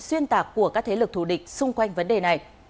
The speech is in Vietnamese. xuyên tạc của các thế lực thù địch xung quanh vấn đề này